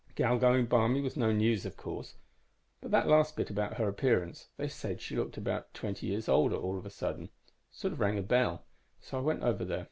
"Gal going blarmy was no news, of course, but that last bit about her appearance they said she looked about twenty years older, all of a sudden sort of rang a bell. So I went over there.